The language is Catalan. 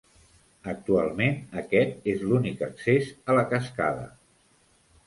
Actualment aquest és l'únic accés a la cascada.